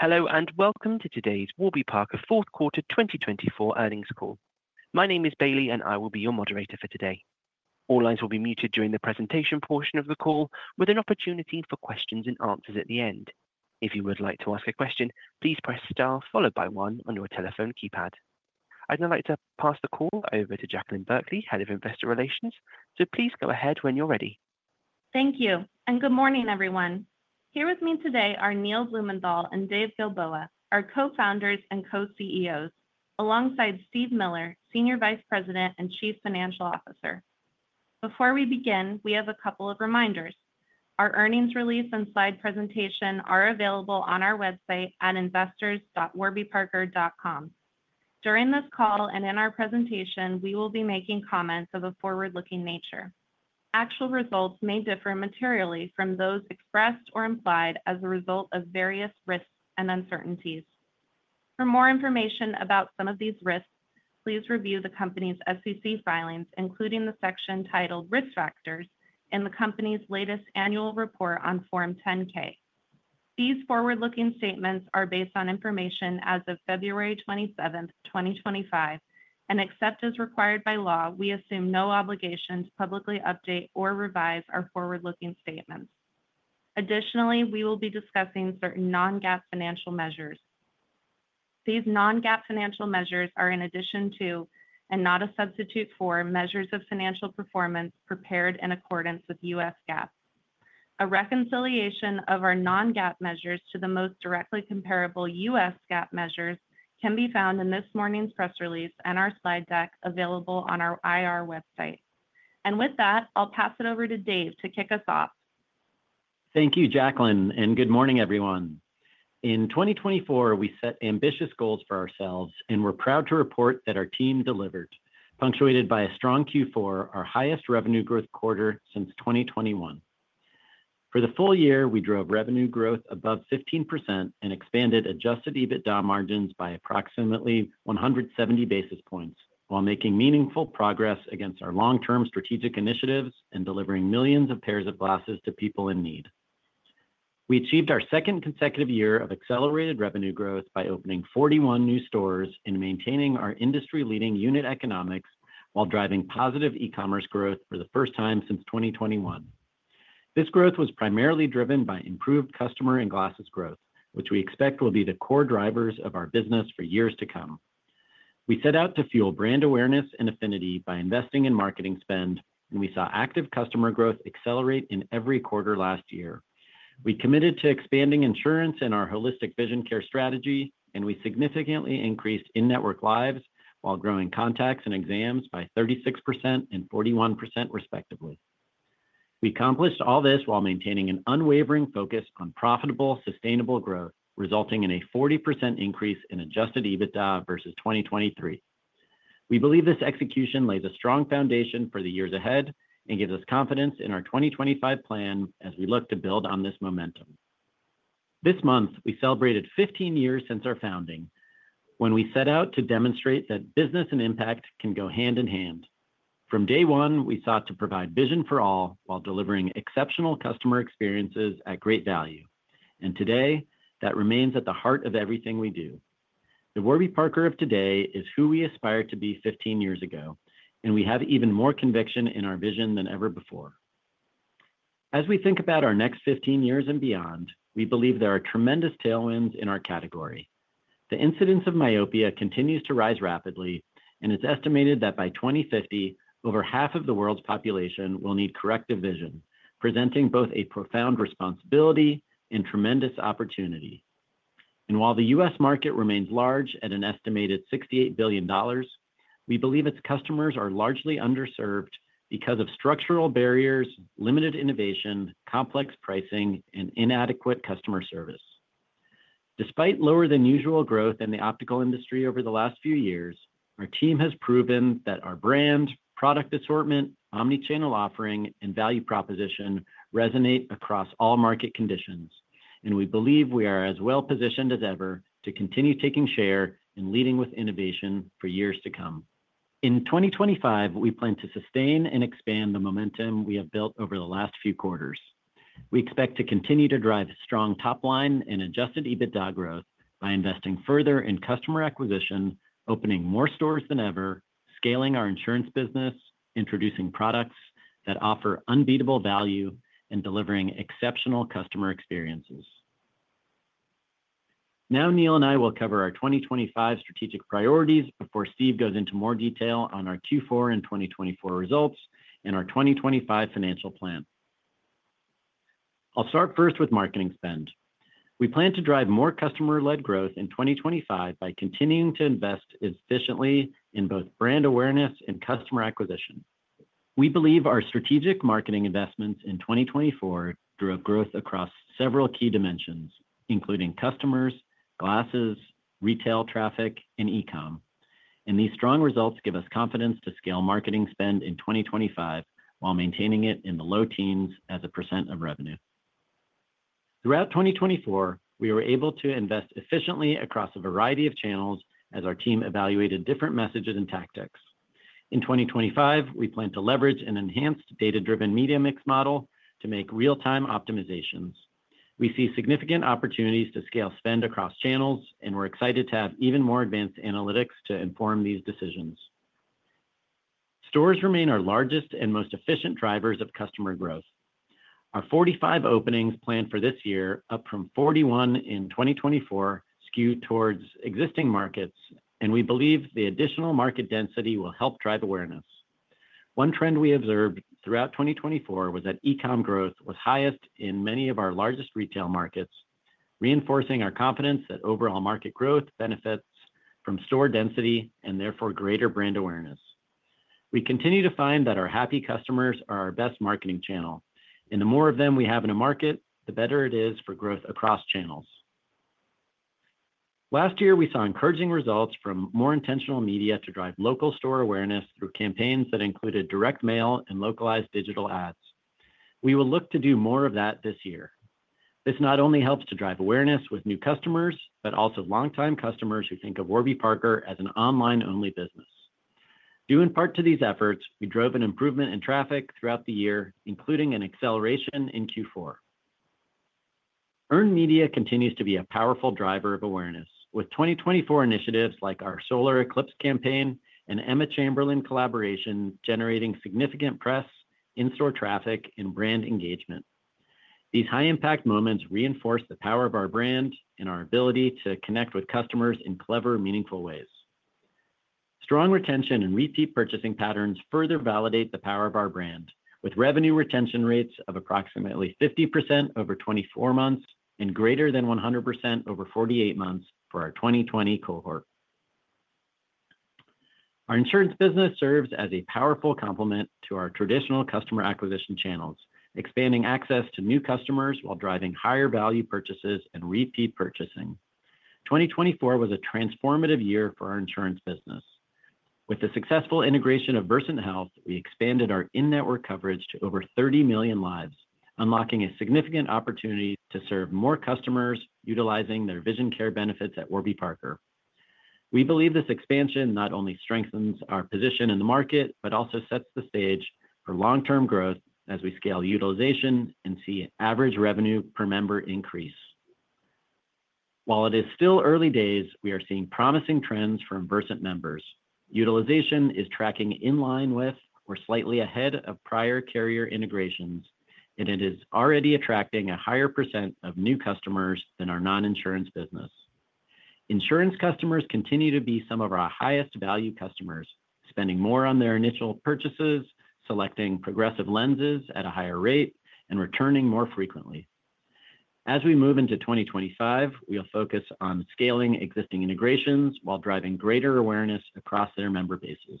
Hello and welcome to today's Warby Parker Q4 2024 Earnings Call. My name is Bailey, and I will be your moderator for today. All lines will be muted during the presentation portion of the call, with an opportunity for questions and answers at the end. If you would like to ask a question, please press star followed by one on your telephone keypad. I'd now like to pass the call over to Jaclyn Berkley, Head of Investor Relations, so please go ahead when you're ready. Thank you, and good morning, everyone. Here with me today are Neil Blumenthal and Dave Gilboa, our co-founders and co-CEOs, alongside Steve Miller, SVP and CFO. Before we begin, we have a couple of reminders. Our earnings release and slide presentation are available on our website at investors.warbyparker.com. During this call and in our presentation, we will be making comments of a forward-looking nature. Actual results may differ materially from those expressed or implied as a result of various risks and uncertainties. For more information about some of these risks, please review the company's SEC filings, including the section titled Risk Factors, in the company's latest annual report on Form 10-K. These forward-looking statements are based on information as of February 27, 2025, and except as required by law, we assume no obligation to publicly update or revise our forward-looking statements. Additionally, we will be discussing certain non-GAAP financial measures. These non-GAAP financial measures are in addition to, and not a substitute for, measures of financial performance prepared in accordance with U.S. GAAP. A reconciliation of our non-GAAP measures to the most directly comparable U.S. GAAP measures can be found in this morning's press release and our slide deck available on our IR website. And with that, I'll pass it over to Dave to kick us off. Thank you, Jaclyn, and good morning, everyone. In 2024, we set ambitious goals for ourselves, and we're proud to report that our team delivered, punctuated by a strong Q4, our highest revenue growth quarter since 2021. For the full year, we drove revenue growth above 15% and expanded Adjusted EBITDA margins by approximately 170 basis points while making meaningful progress against our long-term strategic initiatives and delivering millions of pairs of glasses to people in need. We achieved our second consecutive year of accelerated revenue growth by opening 41 new stores and maintaining our industry-leading unit economics while driving positive e-commerce growth for the first time since 2021. This growth was primarily driven by improved customer and glasses growth, which we expect will be the core drivers of our business for years to come. We set out to fuel brand awareness and affinity by investing in marketing spend, and we saw active customer growth accelerate in every quarter last year. We committed to expanding insurance in our holistic vision care strategy, and we significantly increased in-network lives while growing contacts and exams by 36% and 41%, respectively. We accomplished all this while maintaining an unwavering focus on profitable, sustainable growth, resulting in a 40% increase in Adjusted EBITDA versus 2023. We believe this execution lays a strong foundation for the years ahead and gives us confidence in our 2025 plan as we look to build on this momentum. This month, we celebrated 15 years since our founding when we set out to demonstrate that business and impact can go hand in hand. From day one, we sought to provide vision for all while delivering exceptional customer experiences at great value, and today, that remains at the heart of everything we do. The Warby Parker of today is who we aspire to be 15 years ago, and we have even more conviction in our vision than ever before. As we think about our next 15 years and beyond, we believe there are tremendous tailwinds in our category. The incidence of myopia continues to rise rapidly, and it's estimated that by 2050, over half of the world's population will need corrective vision, presenting both a profound responsibility and tremendous opportunity. And while the U.S. market remains large at an estimated $68 billion, we believe its customers are largely underserved because of structural barriers, limited innovation, complex pricing, and inadequate customer service. Despite lower-than-usual growth in the optical industry over the last few years, our team has proven that our brand, product assortment, omnichannel offering, and value proposition resonate across all market conditions, and we believe we are as well positioned as ever to continue taking share and leading with innovation for years to come. In 2025, we plan to sustain and expand the momentum we have built over the last few quarters. We expect to continue to drive strong top-line and Adjusted EBITDA growth by investing further in customer acquisition, opening more stores than ever, scaling our insurance business, introducing products that offer unbeatable value, and delivering exceptional customer experiences. Now, Neil and I will cover our 2025 strategic priorities before Steve goes into more detail on our Q4 and 2024 results and our 2025 financial plan. I'll start first with marketing spend. We plan to drive more customer-led growth in 2025 by continuing to invest efficiently in both brand awareness and customer acquisition. We believe our strategic marketing investments in 2024 drove growth across several key dimensions, including customers, glasses, retail traffic, and e-com, and these strong results give us confidence to scale marketing spend in 2025 while maintaining it in the low teens as a % of revenue. Throughout 2024, we were able to invest efficiently across a variety of channels as our team evaluated different messages and tactics. In 2025, we plan to leverage an enhanced data-driven media mix model to make real-time optimizations. We see significant opportunities to scale spend across channels, and we're excited to have even more advanced analytics to inform these decisions. Stores remain our largest and most efficient drivers of customer growth. Our 45 openings planned for this year, up from 41 in 2024, skewed towards existing markets, and we believe the additional market density will help drive awareness. One trend we observed throughout 2024 was that e-com growth was highest in many of our largest retail markets, reinforcing our confidence that overall market growth benefits from store density and therefore greater brand awareness. We continue to find that our happy customers are our best marketing channel, and the more of them we have in a market, the better it is for growth across channels. Last year, we saw encouraging results from more intentional media to drive local store awareness through campaigns that included direct mail and localized digital ads. We will look to do more of that this year. This not only helps to drive awareness with new customers, but also longtime customers who think of Warby Parker as an online-only business. Due in part to these efforts, we drove an improvement in traffic throughout the year, including an acceleration in Q4. Earned media continues to be a powerful driver of awareness, with 2024 initiatives like our Solar Eclipse campaign and Emma Chamberlain collaboration generating significant press, in-store traffic, and brand engagement. These high-impact moments reinforce the power of our brand and our ability to connect with customers in clever, meaningful ways. Strong retention and repeat purchasing patterns further validate the power of our brand, with revenue retention rates of approximately 50% over 24 months and greater than 100% over 48 months for our 2020 cohort. Our insurance business serves as a powerful complement to our traditional customer acquisition channels, expanding access to new customers while driving higher value purchases and repeat purchasing. 2024 was a transformative year for our insurance business. With the successful integration of Versant Health, we expanded our in-network coverage to over 30 million lives, unlocking a significant opportunity to serve more customers utilizing their vision care benefits at Warby Parker. We believe this expansion not only strengthens our position in the market, but also sets the stage for long-term growth as we scale utilization and see average revenue per member increase. While it is still early days, we are seeing promising trends from Versant members. Utilization is tracking in line with or slightly ahead of prior carrier integrations, and it is already attracting a higher percent of new customers than our non-insurance business. Insurance customers continue to be some of our highest value customers, spending more on their initial purchases, selecting progressive lenses at a higher rate, and returning more frequently. As we move into 2025, we'll focus on scaling existing integrations while driving greater awareness across their member bases.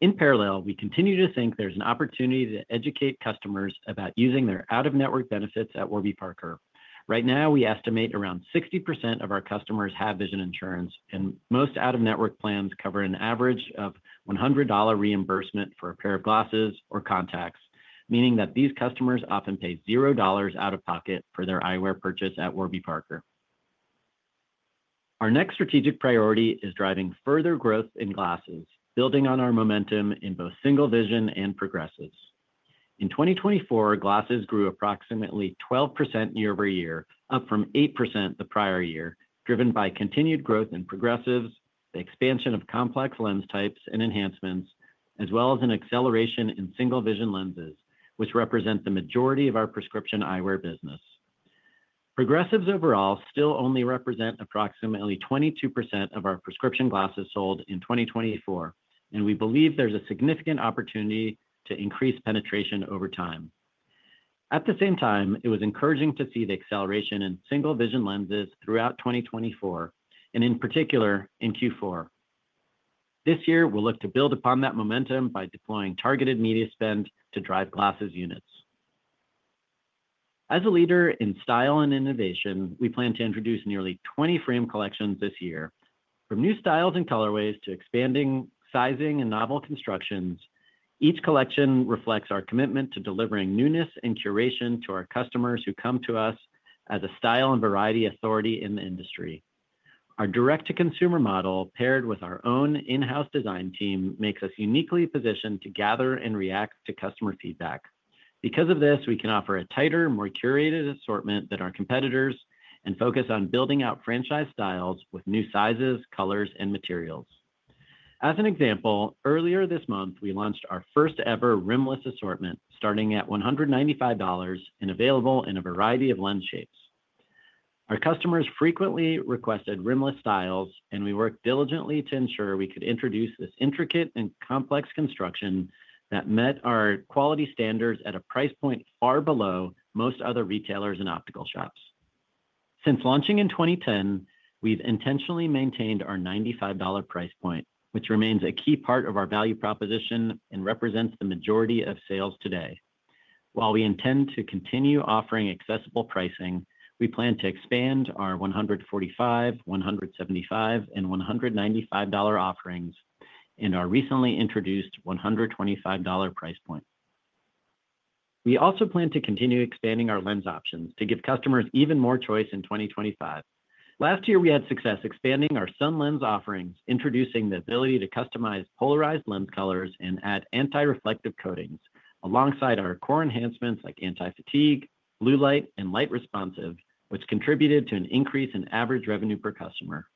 In parallel, we continue to think there's an opportunity to educate customers about using their out-of-network benefits at Warby Parker. Right now, we estimate around 60% of our customers have vision insurance, and most out-of-network plans cover an average of $100 reimbursement for a pair of glasses or contacts, meaning that these customers often pay $0 out of pocket for their eyewear purchase at Warby Parker. Our next strategic priority is driving further growth in glasses, building on our momentum in both single vision and progressives. In 2024, glasses grew approximately 12% year-over-year, up from 8% the prior year, driven by continued growth in progressives, the expansion of complex lens types and enhancements, as well as an acceleration in single vision lenses, which represent the majority of our prescription eyewear business. Progressives overall still only represent approximately 22% of our prescription glasses sold in 2024, and we believe there's a significant opportunity to increase penetration over time. At the same time, it was encouraging to see the acceleration in single vision lenses throughout 2024, and in particular in Q4. This year, we'll look to build upon that momentum by deploying targeted media spend to drive glasses units. As a leader in style and innovation, we plan to introduce nearly 20 frame collections this year. From new styles and colorways to expanding sizing and novel constructions, each collection reflects our commitment to delivering newness and curation to our customers who come to us as a style and variety authority in the industry. Our direct-to-consumer model, paired with our own in-house design team, makes us uniquely positioned to gather and react to customer feedback. Because of this, we can offer a tighter, more curated assortment than our competitors and focus on building out franchise styles with new sizes, colors, and materials. As an example, earlier this month, we launched our first-ever rimless assortment, starting at $195 and available in a variety of lens shapes. Our customers frequently requested rimless styles, and we worked diligently to ensure we could introduce this intricate and complex construction that met our quality standards at a price point far below most other retailers and optical shops. Since launching in 2010, we've intentionally maintained our $95 price point, which remains a key part of our value proposition and represents the majority of sales today. While we intend to continue offering accessible pricing, we plan to expand our $145, $175, and $195 offerings in our recently introduced $125 price point. We also plan to continue expanding our lens options to give customers even more choice in 2025. Last year, we had success expanding our sun lens offerings, introducing the ability to customize polarized lens colors and add anti-reflective coatings alongside our core enhancements like anti-fatigue, blue light, and light-responsive, which contributed to an increase in average revenue per customer.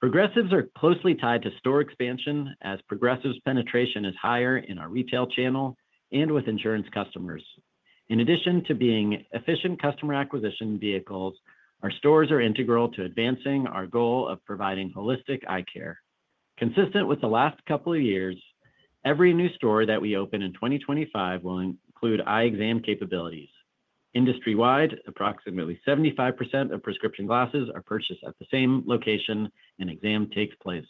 Progressives are closely tied to store expansion as progressive penetration is higher in our retail channel and with insurance customers. In addition to being efficient customer acquisition vehicles, our stores are integral to advancing our goal of providing holistic eye care. Consistent with the last couple of years, every new store that we open in 2025 will include eye exam capabilities. Industry-wide, approximately 75% of prescription glasses are purchased at the same location where an exam takes place,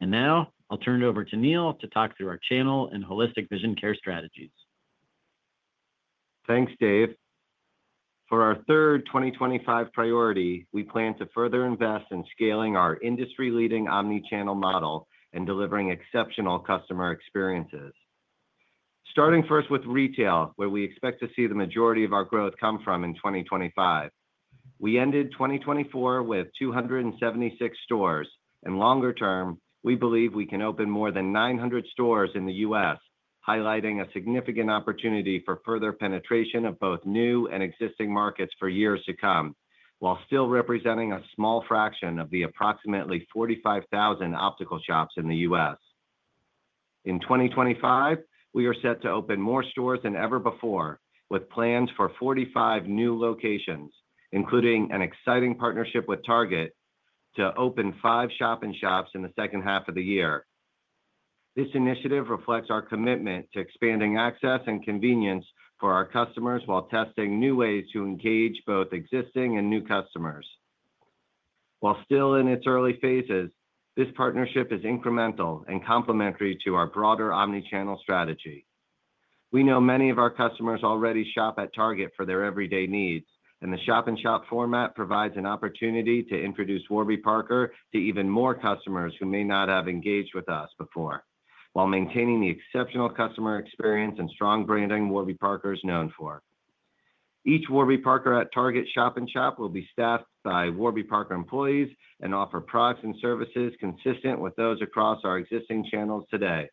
and now I'll turn it over to Neil to talk through our channel and holistic vision care strategies. Thanks, Dave. For our third 2025 priority, we plan to further invest in scaling our industry-leading omnichannel model and delivering exceptional customer experiences. Starting first with retail, where we expect to see the majority of our growth come from in 2025. We ended 2024 with 276 stores, and longer term, we believe we can open more than 900 stores in the U.S., highlighting a significant opportunity for further penetration of both new and existing markets for years to come, while still representing a small fraction of the approximately 45,000 optical shops in the U.S. In 2025, we are set to open more stores than ever before, with plans for 45 new locations, including an exciting partnership with Target to open five shop-in-shops in the second half of the year. This initiative reflects our commitment to expanding access and convenience for our customers while testing new ways to engage both existing and new customers. While still in its early phases, this partnership is incremental and complementary to our broader omnichannel strategy. We know many of our customers already shop at Target for their everyday needs, and the shop-in-shop format provides an opportunity to introduce Warby Parker to even more customers who may not have engaged with us before, while maintaining the exceptional customer experience and strong branding Warby Parker is known for. Each Warby Parker at Target shop-in-shop will be staffed by Warby Parker employees and offer products and services consistent with those across our existing channels today.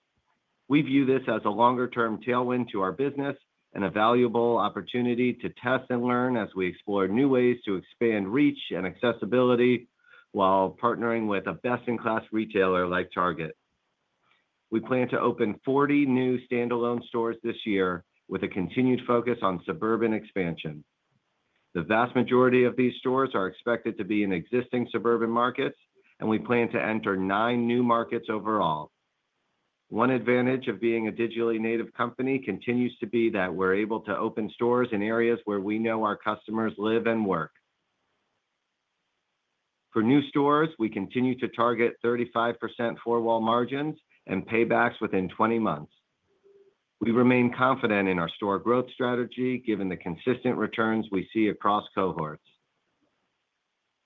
We view this as a longer-term tailwind to our business and a valuable opportunity to test and learn as we explore new ways to expand reach and accessibility while partnering with a best-in-class retailer like Target. We plan to open 40 new standalone stores this year with a continued focus on suburban expansion. The vast majority of these stores are expected to be in existing suburban markets, and we plan to enter nine new markets overall. One advantage of being a digitally native company continues to be that we're able to open stores in areas where we know our customers live and work. For new stores, we continue to target 35% four-wall margins and paybacks within 20 months. We remain confident in our store growth strategy given the consistent returns we see across cohorts.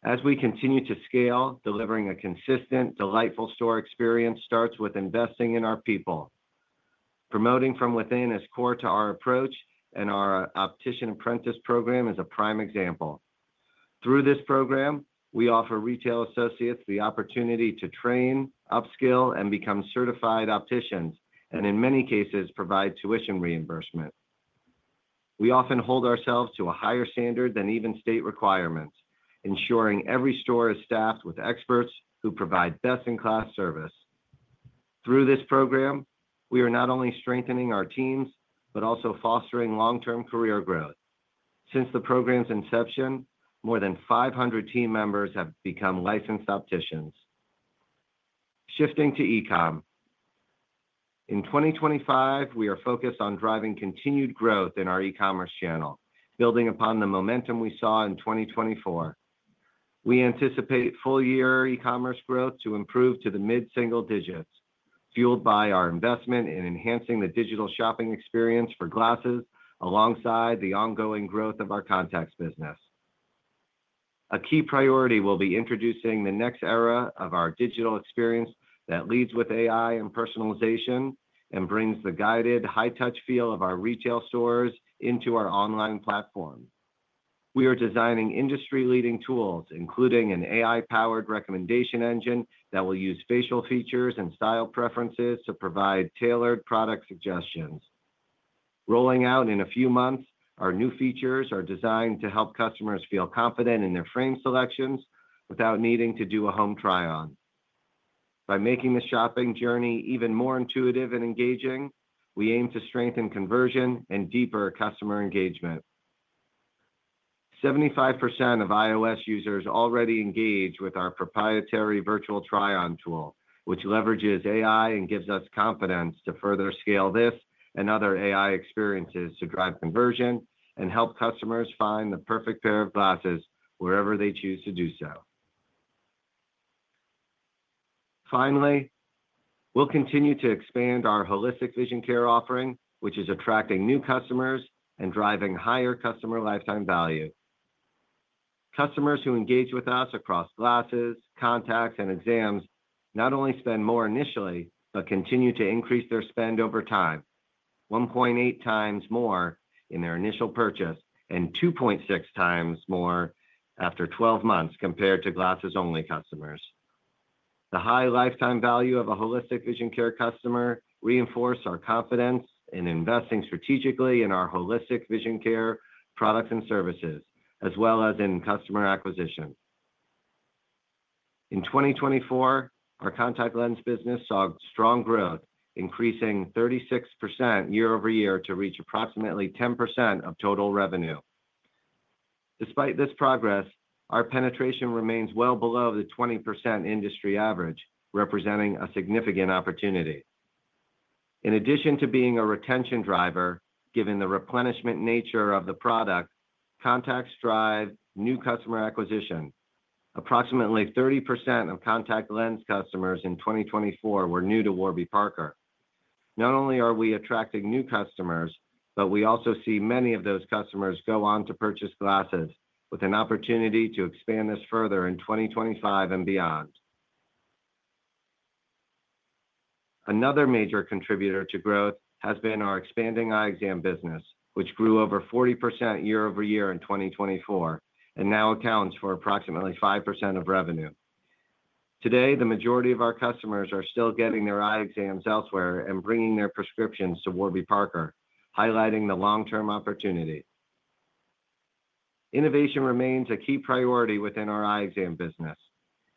As we continue to scale, delivering a consistent, delightful store experience starts with investing in our people. Promoting from within is core to our approach, and our Optician Apprentice Program is a prime example. Through this program, we offer retail associates the opportunity to train, upskill, and become certified opticians, and in many cases, provide tuition reimbursement. We often hold ourselves to a higher standard than even state requirements, ensuring every store is staffed with experts who provide best-in-class service. Through this program, we are not only strengthening our teams, but also fostering long-term career growth. Since the program's inception, more than 500 team members have become licensed opticians. Shifting to e-com. In 2025, we are focused on driving continued growth in our e-commerce channel, building upon the momentum we saw in 2024. We anticipate full-year e-commerce growth to improve to the mid-single digits, fueled by our investment in enhancing the digital shopping experience for glasses alongside the ongoing growth of our contacts business. A key priority will be introducing the next era of our digital experience that leads with AI and personalization and brings the guided high-touch feel of our retail stores into our online platform. We are designing industry-leading tools, including an AI-powered recommendation engine that will use facial features and style preferences to provide tailored product suggestions. Rolling out in a few months, our new features are designed to help customers feel confident in their frame selections without needing to do a Home Try-On. By making the shopping journey even more intuitive and engaging, we aim to strengthen conversion and deeper customer engagement. 75% of iOS users already engage with our proprietary Virtual Try-On tool, which leverages AI and gives us confidence to further scale this and other AI experiences to drive conversion and help customers find the perfect pair of glasses wherever they choose to do so. Finally, we'll continue to expand our holistic vision care offering, which is attracting new customers and driving higher customer lifetime value. Customers who engage with us across glasses, contacts, and exams not only spend more initially, but continue to increase their spend over time, 1.8 times more in their initial purchase and 2.6 times more after 12 months compared to glasses-only customers. The high lifetime value of a holistic vision care customer reinforces our confidence in investing strategically in our holistic vision care products and services, as well as in customer acquisition. In 2024, our contact lens business saw strong growth, increasing 36% year-over-year to reach approximately 10% of total revenue. Despite this progress, our penetration remains well below the 20% industry average, representing a significant opportunity. In addition to being a retention driver, given the replenishment nature of the product, contacts drive new customer acquisition. Approximately 30% of contact lens customers in 2024 were new to Warby Parker. Not only are we attracting new customers, but we also see many of those customers go on to purchase glasses, with an opportunity to expand this further in 2025 and beyond. Another major contributor to growth has been our expanding eye exam business, which grew over 40% year-over-year in 2024 and now accounts for approximately 5% of revenue. Today, the majority of our customers are still getting their eye exams elsewhere and bringing their prescriptions to Warby Parker, highlighting the long-term opportunity. Innovation remains a key priority within our eye exam business.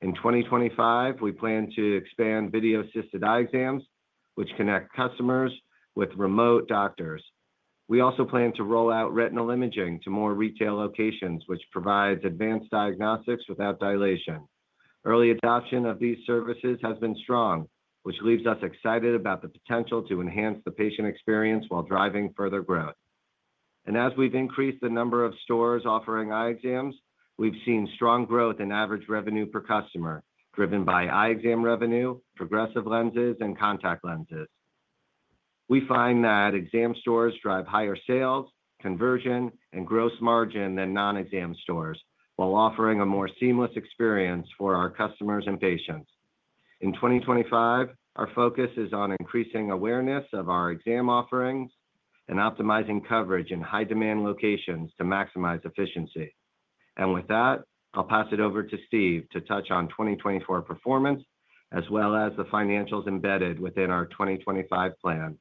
In 2025, we plan to expand video-assisted eye exams, which connect customers with remote doctors. We also plan to roll out retinal imaging to more retail locations, which provides advanced diagnostics without dilation. Early adoption of these services has been strong, which leaves us excited about the potential to enhance the patient experience while driving further growth. And as we've increased the number of stores offering eye exams, we've seen strong growth in average revenue per customer, driven by eye exam revenue, progressive lenses, and contact lenses. We find that exam stores drive higher sales, conversion, and gross margin than non-exam stores, while offering a more seamless experience for our customers and patients. In 2025, our focus is on increasing awareness of our exam offerings and optimizing coverage in high-demand locations to maximize efficiency. And with that, I'll pass it over to Steve to touch on 2024 performance, as well as the financials embedded within our 2025 plan.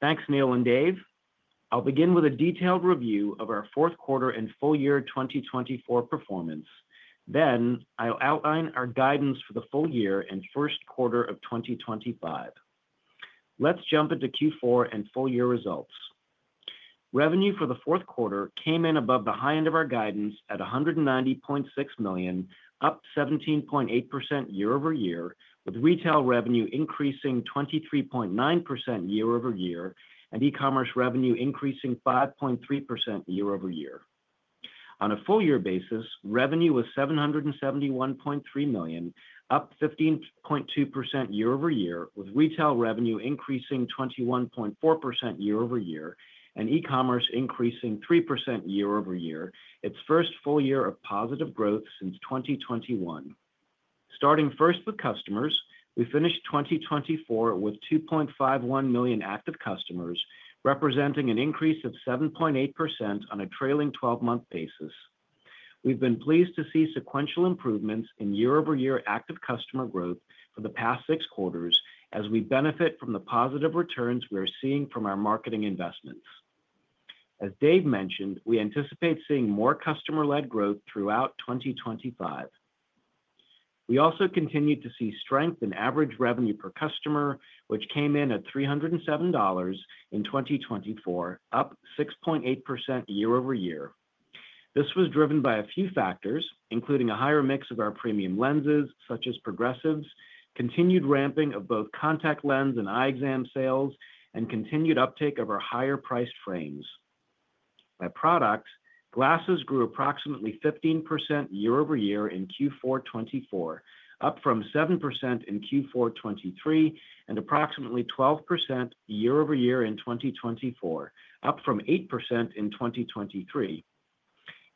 Thanks, Neil and Dave. I'll begin with a detailed review of our fourth quarter and full-year 2024 performance. Then, I'll outline our guidance for the full year and first quarter of 2025. Let's jump into Q4 and full-year results. Revenue for the fourth quarter came in above the high end of our guidance at $190.6 million, up 17.8% year-over-year, with retail revenue increasing 23.9% year-over-year and e-commerce revenue increasing 5.3% year-over-year. On a full-year basis, revenue was $771.3 million, up 15.2% year-over-year, with retail revenue increasing 21.4% year-over-year and e-commerce increasing 3% year-over-year, its first full year of positive growth since 2021. Starting first with customers, we finished 2024 with 2.51 million active customers, representing an increase of 7.8% on a trailing 12-month basis. We've been pleased to see sequential improvements in year-over-year active customer growth for the past six quarters, as we benefit from the positive returns we're seeing from our marketing investments. As Dave mentioned, we anticipate seeing more customer-led growth throughout 2025. We also continued to see strength in average revenue per customer, which came in at $307 in 2024, up 6.8% year-over-year. This was driven by a few factors, including a higher mix of our premium lenses, such as progressives, continued ramping of both contact lens and eye exam sales, and continued uptake of our higher-priced frames. By products, glasses grew approximately 15% year-over-year in Q4 2024, up from 7% in Q4 2023 and approximately 12% year-over-year in 2024, up from 8% in 2023.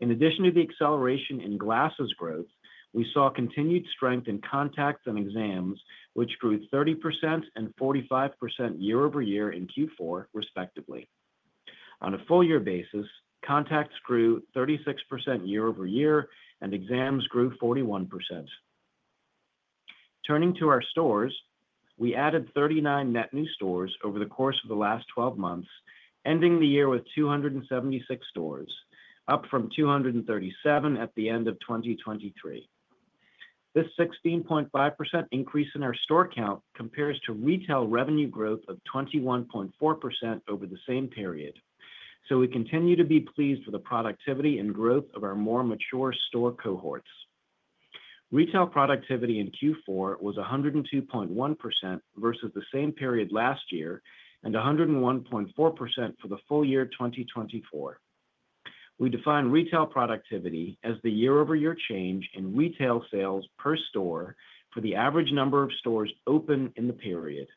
In addition to the acceleration in glasses growth, we saw continued strength in contacts and exams, which grew 30% and 45% year-over-year in Q4, respectively. On a full-year basis, contacts grew 36% year-over-year, and exams grew 41%. Turning to our stores, we added 39 net new stores over the course of the last 12 months, ending the year with 276 stores, up from 237 at the end of 2023. This 16.5% increase in our store count compares to retail revenue growth of 21.4% over the same period, so we continue to be pleased with the productivity and growth of our more mature store cohorts. Retail productivity in Q4 was 102.1% versus the same period last year and 101.4% for the full year 2024. We define retail productivity as the year-over-year change in retail sales per store for the average number of stores open in the period.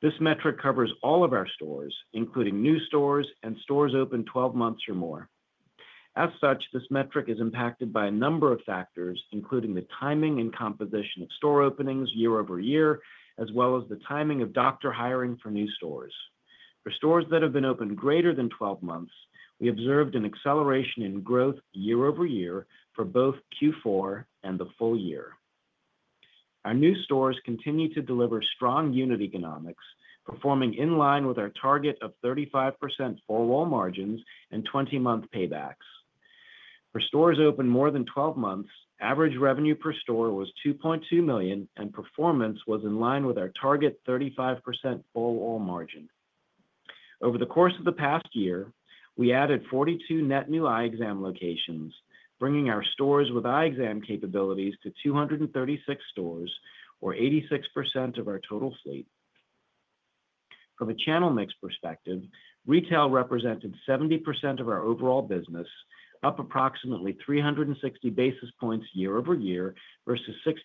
This metric covers all of our stores, including new stores and stores open 12 months or more. As such, this metric is impacted by a number of factors, including the timing and composition of store openings year-over-year, as well as the timing of doctor hiring for new stores. For stores that have been open greater than 12 months, we observed an acceleration in growth year-over-year for both Q4 and the full year. Our new stores continue to deliver strong unit economics, performing in line with our target of 35% four-wall margins and 20-month paybacks. For stores open more than 12 months, average revenue per store was $2.2 million, and performance was in line with our target 35% four-wall margin. Over the course of the past year, we added 42 net new eye exam locations, bringing our stores with eye exam capabilities to 236 stores, or 86% of our total fleet. From a channel mix perspective, retail represented 70% of our overall business, up approximately 360 basis points year-over-year versus 66%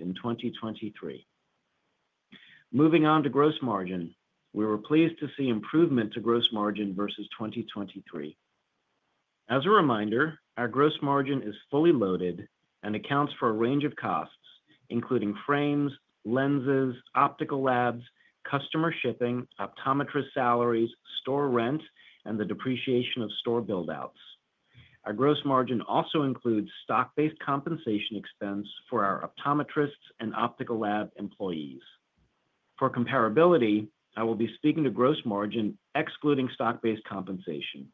in 2023. Moving on to gross margin, we were pleased to see improvement to gross margin versus 2023. As a reminder, our gross margin is fully loaded and accounts for a range of costs, including frames, lenses, optical labs, customer shipping, optometrist salaries, store rent, and the depreciation of store buildouts. Our gross margin also includes stock-based compensation expense for our optometrists and optical lab employees. For comparability, I will be speaking to gross margin excluding stock-based compensation.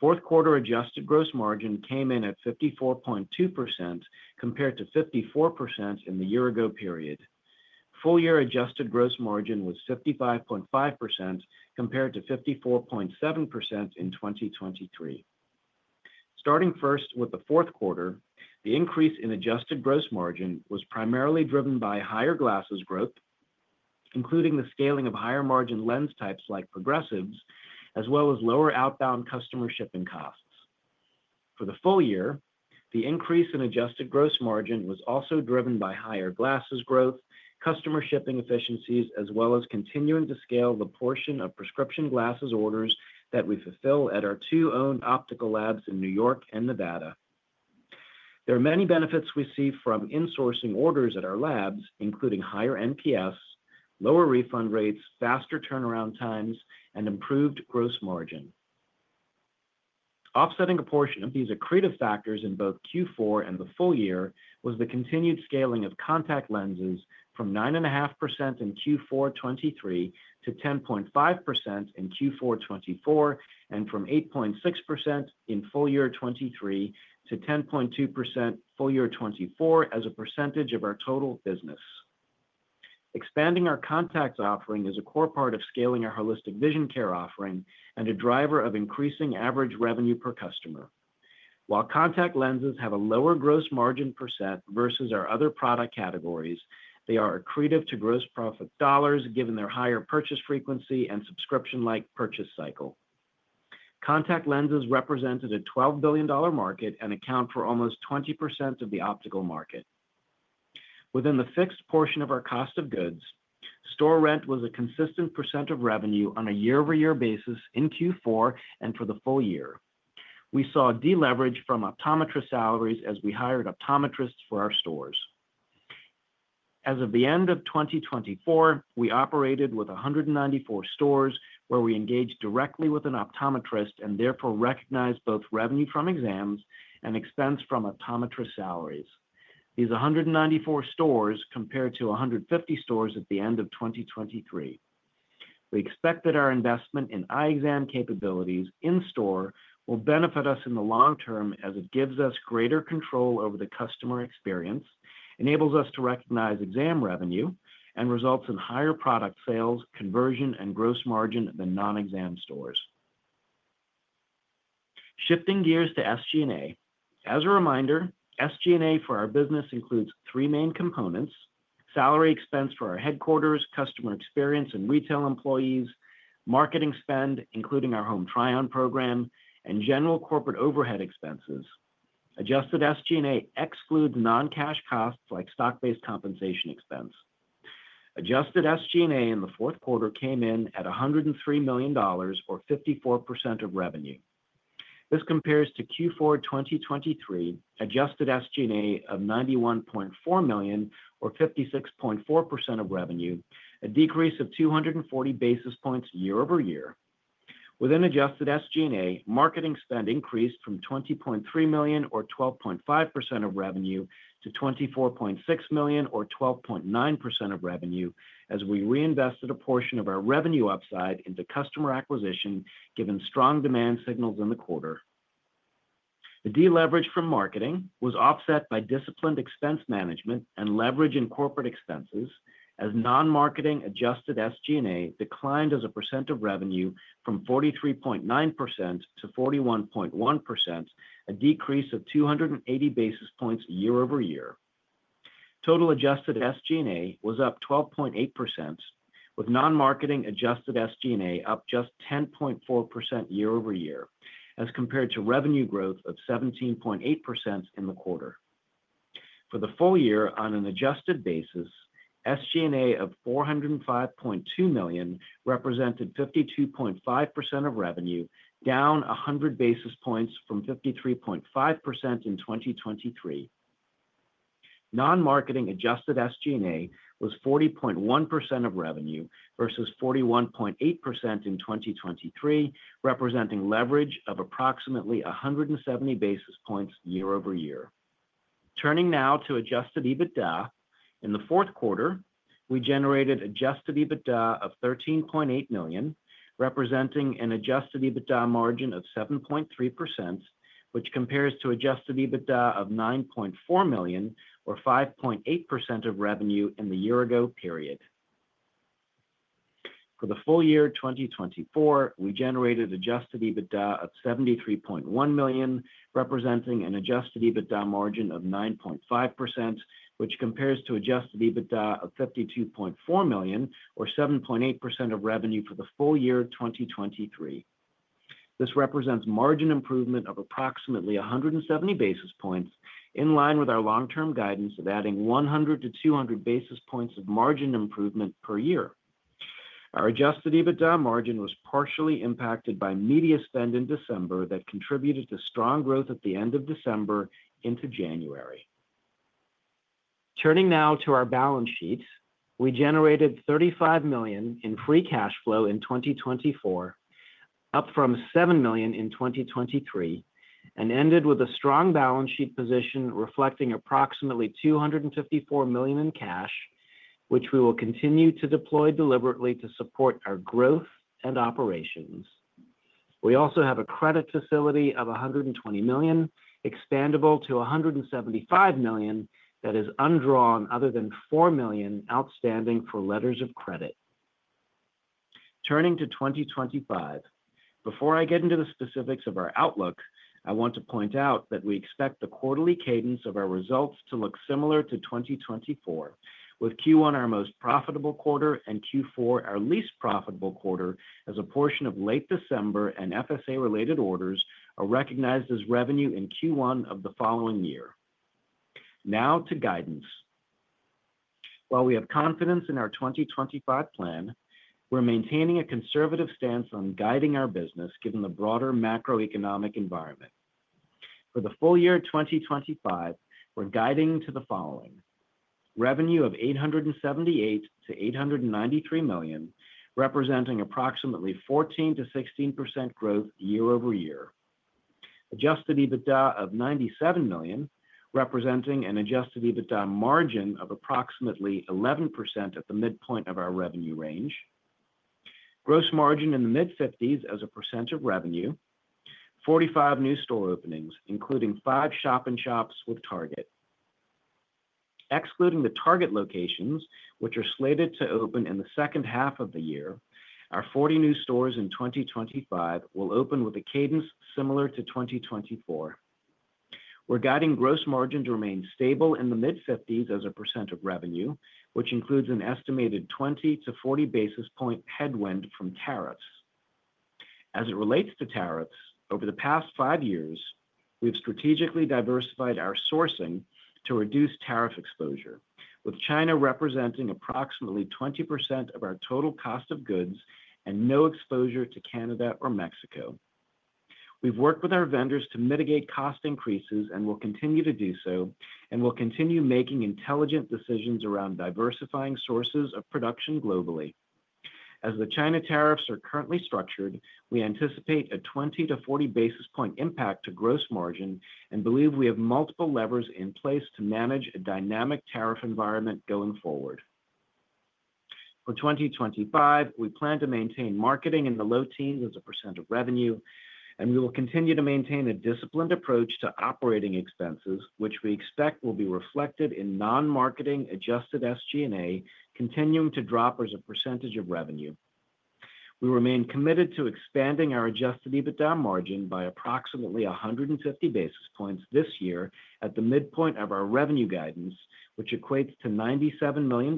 Fourth quarter adjusted gross margin came in at 54.2% compared to 54% in the year-ago period. Full-year adjusted gross margin was 55.5% compared to 54.7% in 2023. Starting first with the fourth quarter, the increase in adjusted gross margin was primarily driven by higher glasses growth, including the scaling of higher margin lens types like progressives, as well as lower outbound customer shipping costs. For the full year, the increase in adjusted gross margin was also driven by higher glasses growth, customer shipping efficiencies, as well as continuing to scale the portion of prescription glasses orders that we fulfill at our two owned optical labs in New York and Nevada. There are many benefits we see from insourcing orders at our labs, including higher NPS, lower refund rates, faster turnaround times, and improved gross margin. Offsetting a portion of these accretive factors in both Q4 and the full year was the continued scaling of contact lenses from 9.5% in Q4 2023 to 10.5% in Q4 2024 and from 8.6% in full year 2023 to 10.2% full year 2024 as a percentage of our total business. Expanding our contacts offering is a core part of scaling our holistic vision care offering and a driver of increasing average revenue per customer. While contact lenses have a lower gross margin percent versus our other product categories, they are accretive to gross profit dollars given their higher purchase frequency and subscription-like purchase cycle. Contact lenses represented a $12 billion market and account for almost 20% of the optical market. Within the fixed portion of our cost of goods, store rent was a consistent percent of revenue on a year-over-year basis in Q4 and for the full year. We saw deleverage from optometrist salaries as we hired optometrists for our stores. As of the end of 2024, we operated with 194 stores where we engaged directly with an optometrist and therefore recognized both revenue from exams and expense from optometrist salaries. These 194 stores compared to 150 stores at the end of 2023. We expect that our investment in eye exam capabilities in store will benefit us in the long term as it gives us greater control over the customer experience, enables us to recognize exam revenue, and results in higher product sales, conversion, and gross margin than non-exam stores. Shifting gears to SG&A. As a reminder, SG&A for our business includes three main components: salary expense for our headquarters, customer experience and retail employees, marketing spend, including our Home Try-On program, and general corporate overhead expenses. Adjusted SG&A excludes non-cash costs like stock-based compensation expense. Adjusted SG&A in the fourth quarter came in at $103 million, or 54% of revenue. This compares to Q4 2023 adjusted SG&A of $91.4 million, or 56.4% of revenue, a decrease of 240 basis points year-over-year. Within adjusted SG&A, marketing spend increased from $20.3 million, or 12.5% of revenue, to $24.6 million, or 12.9% of revenue as we reinvested a portion of our revenue upside into customer acquisition, given strong demand signals in the quarter. The deleverage from marketing was offset by disciplined expense management and leverage in corporate expenses as non-marketing adjusted SG&A declined as a percent of revenue from 43.9% to 41.1%, a decrease of 280 basis points year-over-year. Total adjusted SG&A was up 12.8%, with non-marketing adjusted SG&A up just 10.4% year-over-year, as compared to revenue growth of 17.8% in the quarter. For the full year on an adjusted basis, SG&A of $405.2 million represented 52.5% of revenue, down 100 basis points from 53.5% in 2023. Non-marketing adjusted SG&A was 40.1% of revenue versus 41.8% in 2023, representing leverage of approximately 170 basis points year-over-year. Turning now to Adjusted EBITDA. In the fourth quarter, we generated Adjusted EBITDA of $13.8 million, representing an Adjusted EBITDA margin of 7.3%, which compares to Adjusted EBITDA of $9.4 million, or 5.8% of revenue in the year-ago period. For the full year 2024, we generated Adjusted EBITDA of $73.1 million, representing an Adjusted EBITDA margin of 9.5%, which compares to Adjusted EBITDA of $52.4 million, or 7.8% of revenue for the full year 2023. This represents margin improvement of approximately 170 basis points, in line with our long-term guidance of adding 100-200 basis points of margin improvement per year. Our Adjusted EBITDA margin was partially impacted by media spend in December that contributed to strong growth at the end of December into January. Turning now to our balance sheet, we generated $35 million in free cash flow in 2024, up from $7 million in 2023, and ended with a strong balance sheet position reflecting approximately $254 million in cash, which we will continue to deploy deliberately to support our growth and operations. We also have a credit facility of $120 million, expandable to $175 million, that is undrawn other than $4 million outstanding for letters of credit. Turning to 2025, before I get into the specifics of our outlook, I want to point out that we expect the quarterly cadence of our results to look similar to 2024, with Q1 our most profitable quarter and Q4 our least profitable quarter, as a portion of late December and FSA-related orders are recognized as revenue in Q1 of the following year. Now to guidance. While we have confidence in our 2025 plan, we're maintaining a conservative stance on guiding our business given the broader macroeconomic environment. For the full year 2025, we're guiding to the following: revenue of $878-$893 million, representing approximately 14%-16% growth year-over-year. Adjusted EBITDA of $97 million, representing an Adjusted EBITDA margin of approximately 11% at the midpoint of our revenue range. Gross margin in the mid-50s as a % of revenue. 45 new store openings, including five shop-in shops with Target. Excluding the Target locations, which are slated to open in the second half of the year, our 40 new stores in 2025 will open with a cadence similar to 2024. We're guiding gross margin to remain stable in the mid-50s as a % of revenue, which includes an estimated 20-40 basis points headwind from tariffs. As it relates to tariffs, over the past five years, we've strategically diversified our sourcing to reduce tariff exposure, with China representing approximately 20% of our total cost of goods and no exposure to Canada or Mexico. We've worked with our vendors to mitigate cost increases and will continue to do so, and we'll continue making intelligent decisions around diversifying sources of production globally. As the China tariffs are currently structured, we anticipate a 20-40 basis points impact to gross margin and believe we have multiple levers in place to manage a dynamic tariff environment going forward. For 2025, we plan to maintain marketing in the low teens as a % of revenue, and we will continue to maintain a disciplined approach to operating expenses, which we expect will be reflected in non-marketing adjusted SG&A continuing to drop as a % of revenue. We remain committed to expanding our Adjusted EBITDA margin by approximately 150 basis points this year at the midpoint of our revenue guidance, which equates to $97 million,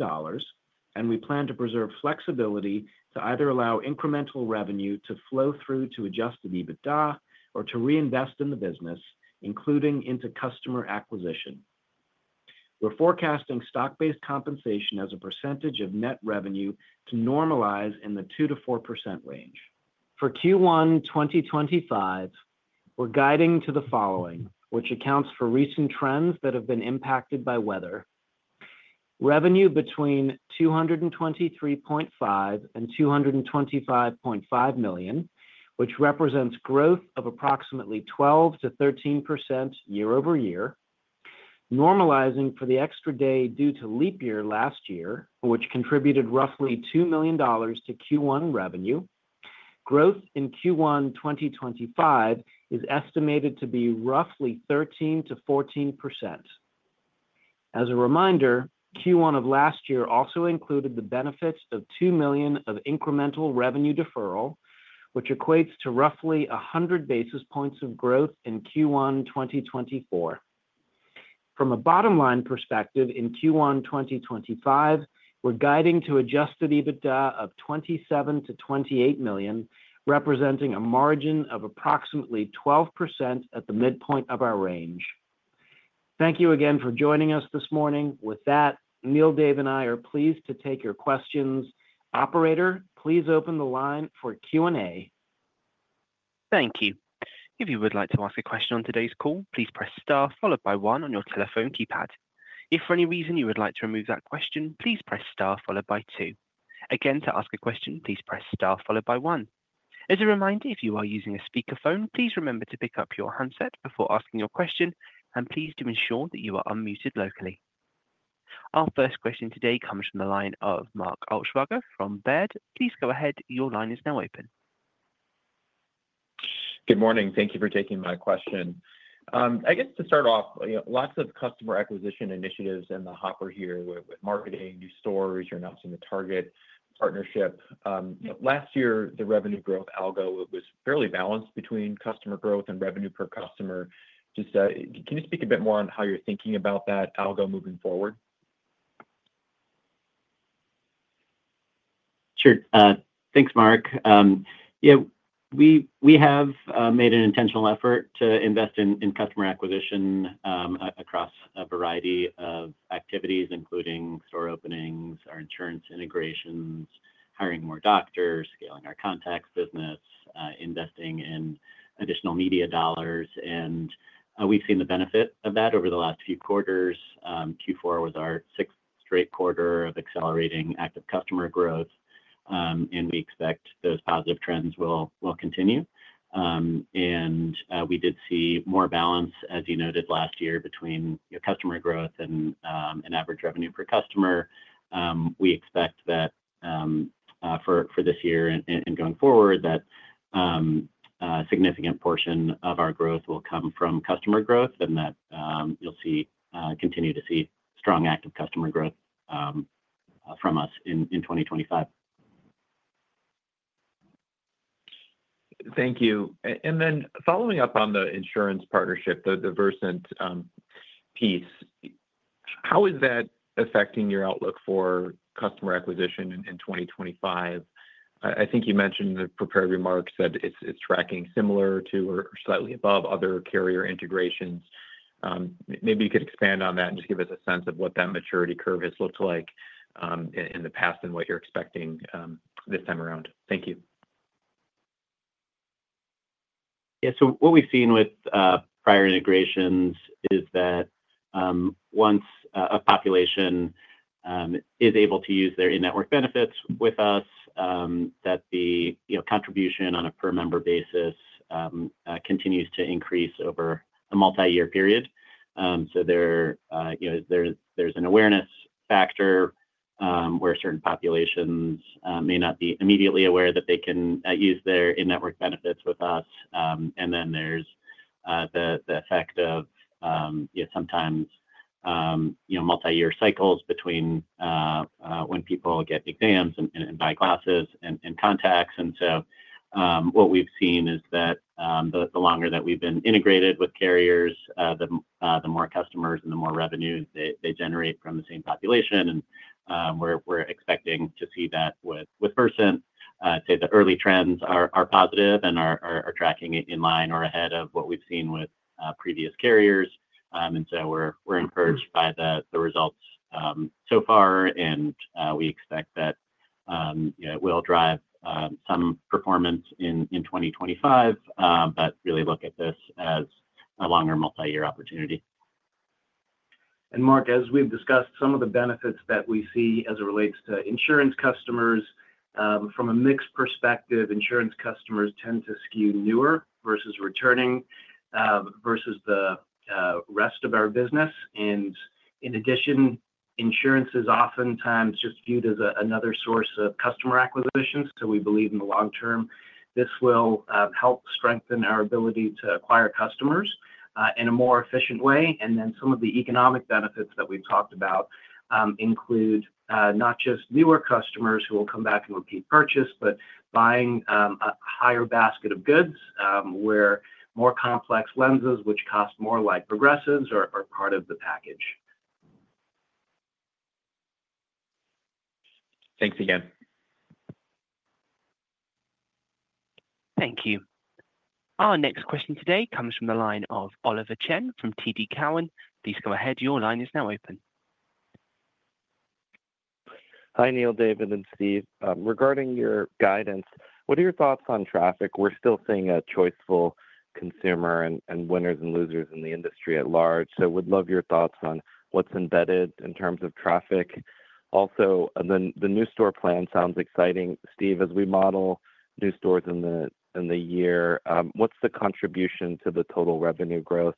and we plan to preserve flexibility to either allow incremental revenue to flow through to Adjusted EBITDA or to reinvest in the business, including into customer acquisition. We're forecasting stock-based compensation as a percentage of net revenue to normalize in the 2%-4% range. For Q1 2025, we're guiding to the following, which accounts for recent trends that have been impacted by weather: revenue between $223.5-$225.5 million, which represents growth of approximately 12%-13% year-over-year, normalizing for the extra day due to leap year last year, which contributed roughly $2 million to Q1 revenue. Growth in Q1 2025 is estimated to be roughly 13%-14%. As a reminder, Q1 of last year also included the benefits of $2 million of incremental revenue deferral, which equates to roughly 100 basis points of growth in Q1 2024. From a bottom-line perspective in Q1 2025, we're guiding to Adjusted EBITDA of $27-$28 million, representing a margin of approximately 12% at the midpoint of our range. Thank you again for joining us this morning. With that, Neil, Dave, and I are pleased to take your questions. Operator, please open the line for Q&A. Thank you. If you would like to ask a question on today's call, please press star followed by one on your telephone keypad. If for any reason you would like to remove that question, please press star followed by two. Again, to ask a question, please press star followed by one. As a reminder, if you are using a speakerphone, please remember to pick up your handset before asking your question, and please do ensure that you are unmuted locally. Our first question today comes from the line of Mark Altschwager from Baird. Please go ahead. Your line is now open. Good morning. Thank you for taking my question. I guess to start off, lots of customer acquisition initiatives and the hopper here with marketing, new stores, you're announcing the Target partnership. Last year, the revenue growth algo was fairly balanced between customer growth and revenue per customer. Can you speak a bit more on how you're thinking about that algo moving forward? Sure. Thanks, Mark. Yeah, we have made an intentional effort to invest in customer acquisition across a variety of activities, including store openings, our insurance integrations, hiring more doctors, scaling our contact business, investing in additional media dollars. We've seen the benefit of that over the last few quarters. Q4 was our sixth straight quarter of accelerating active customer growth, and we expect those positive trends will continue. We did see more balance, as you noted last year, between customer growth and average revenue per customer. We expect that for this year and going forward, that a significant portion of our growth will come from customer growth and that you'll continue to see strong active customer growth from us in 2025. Thank you. Then following up on the insurance partnership, the Versant piece, how is that affecting your outlook for customer acquisition in 2025? I think you mentioned in the prepared remarks that it's tracking similar to or slightly above other carrier integrations. Maybe you could expand on that and just give us a sense of what that maturity curve has looked like in the past and what you're expecting this time around. Thank you. Yeah. So what we've seen with prior integrations is that once a population is able to use their in-network benefits with us, that the contribution on a per-member basis continues to increase over a multi-year period. So there's an awareness factor where certain populations may not be immediately aware that they can use their in-network benefits with us. And then there's the effect of sometimes multi-year cycles between when people get exams and buy glasses and contacts. And so what we've seen is that the longer that we've been integrated with carriers, the more customers and the more revenue they generate from the same population. And we're expecting to see that with Versant. I'd say the early trends are positive and are tracking in line or ahead of what we've seen with previous carriers, and so we're encouraged by the results so far, and we expect that it will drive some performance in 2025, but really look at this as a longer multi-year opportunity, And Mark, as we've discussed, some of the benefits that we see as it relates to insurance customers, from a mix perspective, insurance customers tend to skew newer versus returning versus the rest of our business, and in addition, insurance is oftentimes just viewed as another source of customer acquisition, so we believe in the long term, this will help strengthen our ability to acquire customers in a more efficient way. And then some of the economic benefits that we've talked about include not just newer customers who will come back and repeat purchase, but buying a higher basket of goods where more complex lenses, which cost more like progressives, are part of the package. Thanks again. Thank you. Our next question today comes from the line of Oliver Chen from TD Cowen. Please go ahead. Your line is now open. Hi, Neil, David, and Steve. Regarding your guidance, what are your thoughts on traffic? We're still seeing a choiceful consumer and winners and losers in the industry at large. So we'd love your thoughts on what's embedded in terms of traffic. Also, the new store plan sounds exciting. Steve, as we model new stores in the year, what's the contribution to the total revenue growth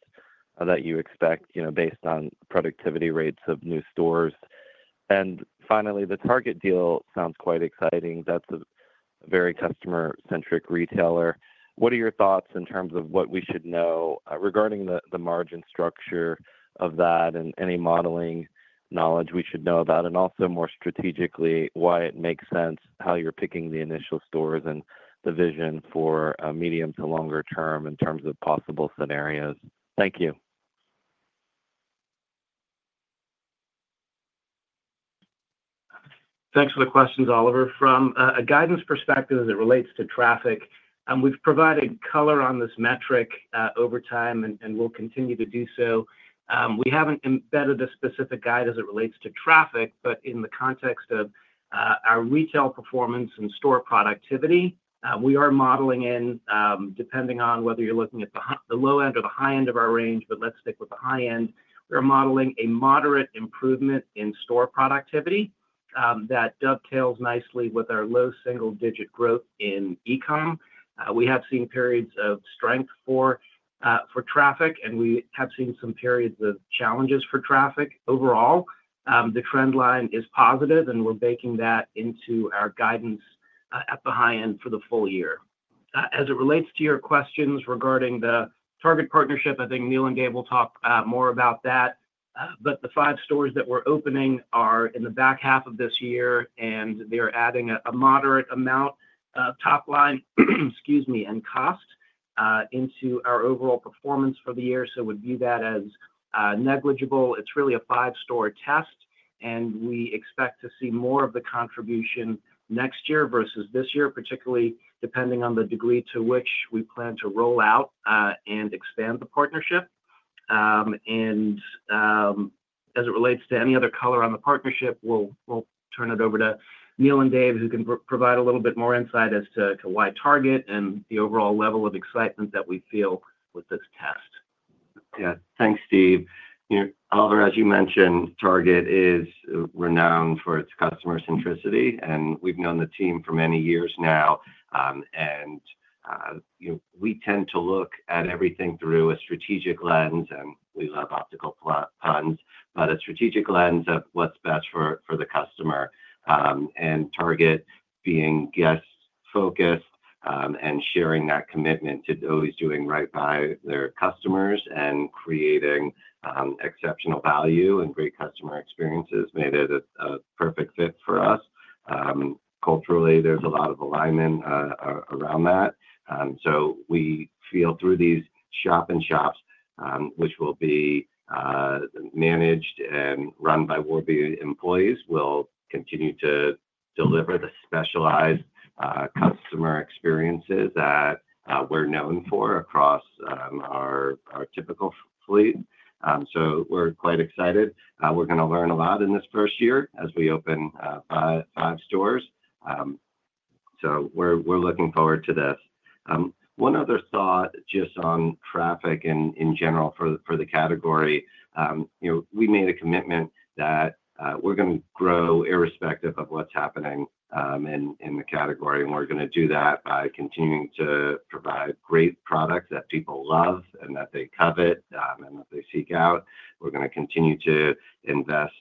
that you expect based on productivity rates of new stores? Finally, the Target deal sounds quite exciting. That's a very customer-centric retailer. What are your thoughts in terms of what we should know regarding the margin structure of that and any modeling knowledge we should know about? And also more strategically, why it makes sense how you're picking the initial stores and the vision for medium to longer term in terms of possible scenarios. Thank you. Thanks for the questions, Oliver. From a guidance perspective as it relates to traffic, we've provided color on this metric over time and will continue to do so. We haven't embedded a specific guide as it relates to traffic, but in the context of our retail performance and store productivity, we are modeling in depending on whether you're looking at the low end or the high end of our range, but let's stick with the high end. We're modeling a moderate improvement in store productivity that dovetails nicely with our low single-digit growth in e-com. We have seen periods of strength for traffic, and we have seen some periods of challenges for traffic. Overall, the trend line is positive, and we're baking that into our guidance at the high end for the full year. As it relates to your questions regarding the Target partnership, I think Neil and Dave will talk more about that. But the five stores that we're opening are in the back half of this year, and they're adding a moderate amount of top line, excuse me, and cost into our overall performance for the year. So we'd view that as negligible. It's really a five-store test, and we expect to see more of the contribution next year versus this year, particularly depending on the degree to which we plan to roll out and expand the partnership, and as it relates to any other color on the partnership, we'll turn it over to Neil and Dave, who can provide a little bit more insight as to why Target and the overall level of excitement that we feel with this test. Yeah. Thanks, Steve. Oliver, as you mentioned, Target is renowned for its customer centricity, and we've known the team for many years now, and we tend to look at everything through a strategic lens, and we love optical puns, but a strategic lens of what's best for the customer. And Target being guest-focused and sharing that commitment to always doing right by their customers and creating exceptional value and great customer experiences made it a perfect fit for us. Culturally, there's a lot of alignment around that, so we feel through these shop-in-shops, which will be managed and run by Warby employees, will continue to deliver the specialized customer experiences that we're known for across our typical fleet, so we're quite excited. We're going to learn a lot in this first year as we open five stores, so we're looking forward to this. One other thought just on traffic in general for the category. We made a commitment that we're going to grow irrespective of what's happening in the category, and we're going to do that by continuing to provide great products that people love and that they covet and that they seek out. We're going to continue to invest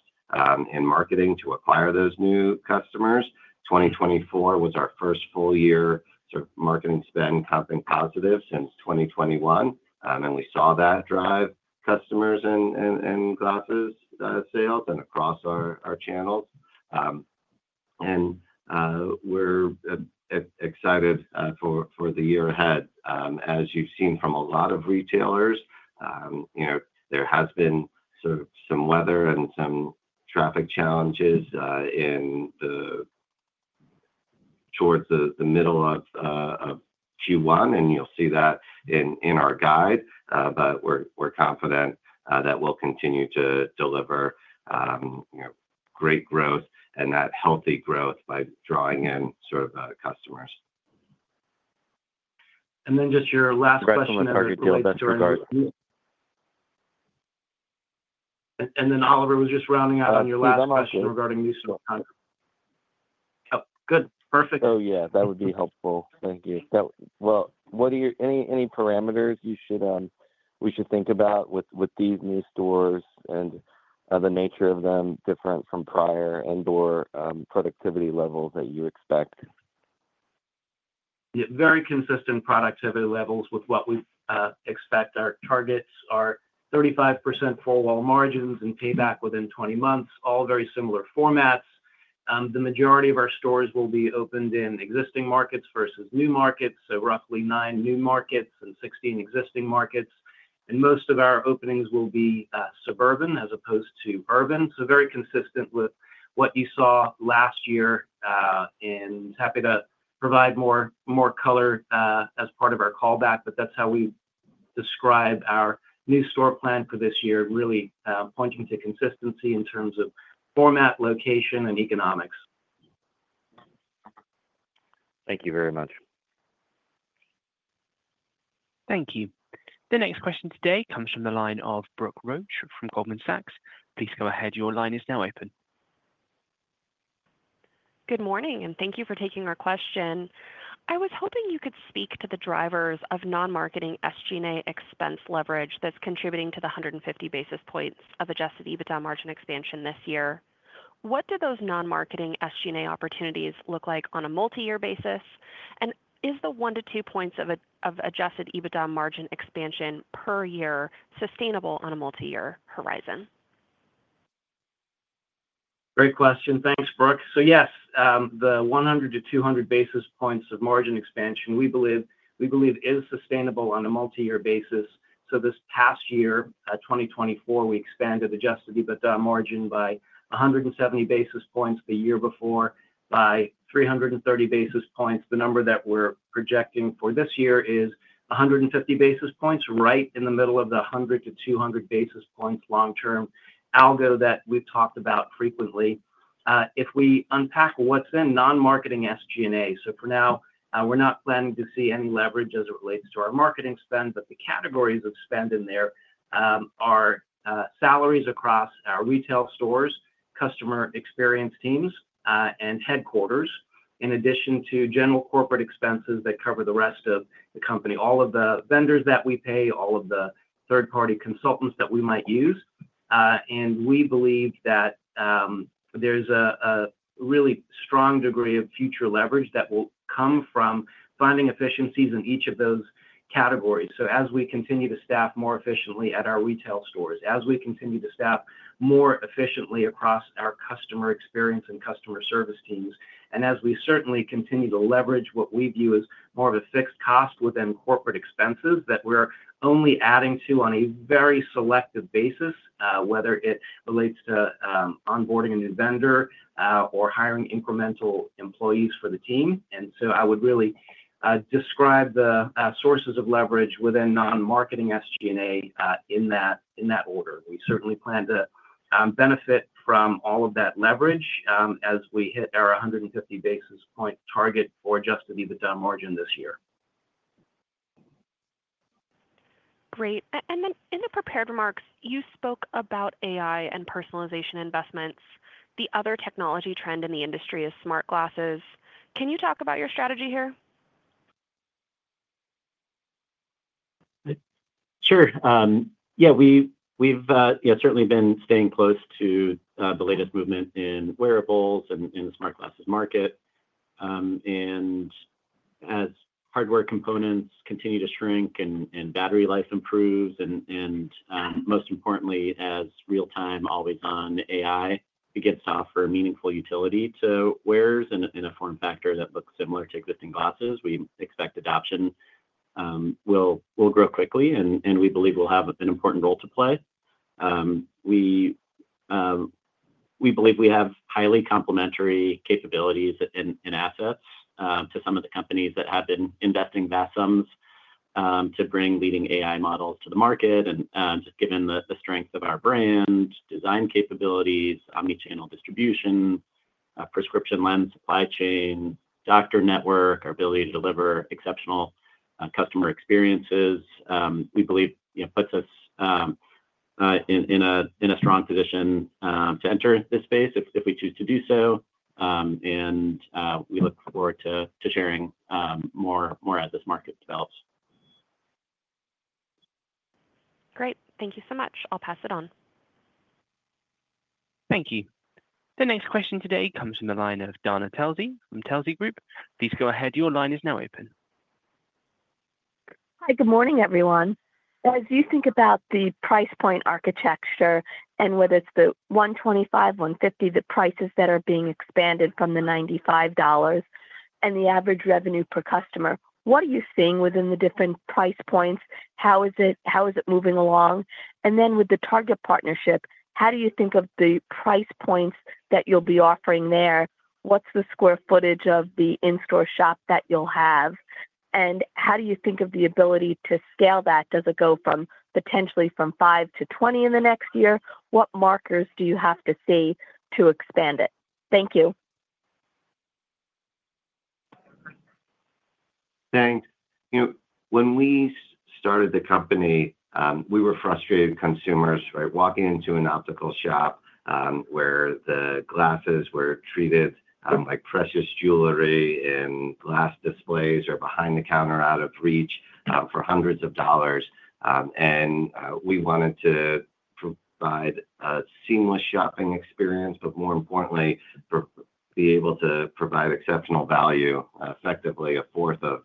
in marketing to acquire those new customers. 2024 was our first full-year sort of marketing spend, comp and positive since 2021, and we saw that drive customers and glasses sales and across our channels. And we're excited for the year ahead. As you've seen from a lot of retailers, there has been sort of some weather and some traffic challenges towards the middle of Q1, and you'll see that in our guide. But we're confident that we'll continue to deliver great growth and that healthy growth by drawing in sort of customers. And then just your last question on the Target deal that's regarding—and then Oliver was just rounding out on your last question regarding new store contracts. Oh, good. Perfect. Oh, yeah. That would be helpful. Thank you. Any parameters we should think about with these new stores and the nature of them different from prior and/or productivity levels that you expect? Yeah. Very consistent productivity levels with what we expect. Our targets are 35% four-wall margins and payback within 20 months, all very similar formats. The majority of our stores will be opened in existing markets versus new markets, so roughly nine new markets and 16 existing markets. Most of our openings will be suburban as opposed to urban. Very consistent with what you saw last year. Happy to provide more color as part of our callback, but that's how we describe our new store plan for this year, really pointing to consistency in terms of format, location, and economics. Thank you very much. Thank you. The next question today comes from the line of Brooke Roach from Goldman Sachs. Please go ahead. Your line is now open. Good morning, and thank you for taking our question. I was hoping you could speak to the drivers of non-marketing SG&A expense leverage that's contributing to the 150 basis points of Adjusted EBITDA margin expansion this year. What do those non-marketing SG&A opportunities look like on a multi-year basis? And is the one to two points of Adjusted EBITDA margin expansion per year sustainable on a multi-year horizon? Great question. Thanks, Brooke. So yes, the 100 to 200 basis points of margin expansion we believe is sustainable on a multi-year basis. So this past year, 2024, we expanded Adjusted EBITDA margin by 170 basis points the year before, by 330 basis points. The number that we're projecting for this year is 150 basis points, right in the middle of the 100 to 200 basis points long-term algorithm that we've talked about frequently. If we unpack what's in non-marketing SG&A, so for now, we're not planning to see any leverage as it relates to our marketing spend, but the categories of spend in there are salaries across our retail stores, customer experience teams, and headquarters, in addition to general corporate expenses that cover the rest of the company. All of the vendors that we pay, all of the third-party consultants that we might use, and we believe that there's a really strong degree of future leverage that will come from finding efficiencies in each of those categories. So as we continue to staff more efficiently at our retail stores, as we continue to staff more efficiently across our customer experience and customer service teams, and as we certainly continue to leverage what we view as more of a fixed cost within corporate expenses that we're only adding to on a very selective basis, whether it relates to onboarding a new vendor or hiring incremental employees for the team. And so I would really describe the sources of leverage within non-marketing SG&A in that order. We certainly plan to benefit from all of that leverage as we hit our 150 basis points target for Adjusted EBITDA margin this year. Great. And then in the prepared remarks, you spoke about AI and personalization investments. The other technology trend in the industry is smart glasses. Can you talk about your strategy here? Sure. Yeah. We've certainly been staying close to the latest movement in wearables and in the smart glasses market, and as hardware components continue to shrink and battery life improves, and most importantly, as real-time always-on AI begins to offer meaningful utility to wearers in a form factor that looks similar to existing glasses, we expect adoption will grow quickly, and we believe we'll have an important role to play. We believe we have highly complementary capabilities and assets to some of the companies that have been investing vast sums to bring leading AI models to the market, and just given the strength of our brand, design capabilities, omnichannel distribution, prescription lens, supply chain, doctor network, our ability to deliver exceptional customer experiences, we believe puts us in a strong position to enter this space if we choose to do so, and we look forward to sharing more as this market develops. Great. Thank you so much. I'll pass it on. Thank you. The next question today comes from the line of Dana Telsey from Telsey Advisory Group. Please go ahead. Your line is now open. Hi. Good morning, everyone. As you think about the price point architecture and whether it's the 125, 150, the prices that are being expanded from the $95 and the average revenue per customer, what are you seeing within the different price points? How is it moving along? And then with the Target partnership, how do you think of the price points that you'll be offering there? What's the square footage of the in-store shop that you'll have? And how do you think of the ability to scale that? Does it go potentially from 5 to 20 in the next year? What markers do you have to see to expand it? Thank you. Thanks. When we started the company, we were frustrated consumers, right, walking into an optical shop where the glasses were treated like precious jewelry, and glass displays are behind the counter out of reach for hundreds of dollars. And we wanted to provide a seamless shopping experience, but more importantly, be able to provide exceptional value, effectively a fourth of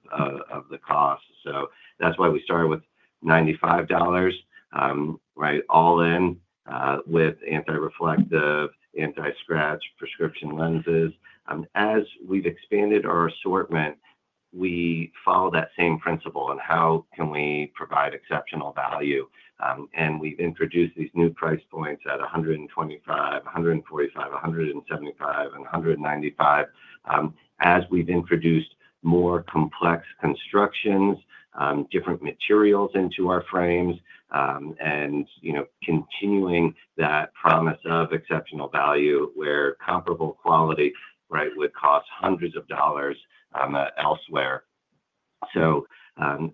the cost. So that's why we started with $95, right, all in with anti-reflective, anti-scratch prescription lenses. As we've expanded our assortment, we follow that same principle on how can we provide exceptional value. And we've introduced these new price points at $125, $145, $175, and $195 as we've introduced more complex constructions, different materials into our frames, and continuing that promise of exceptional value where comparable quality, right, would cost hundreds of dollars elsewhere. So